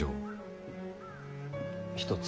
一つ。